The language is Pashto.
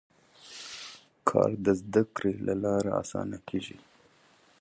کار د زده کړې له لارې اسانه کېږي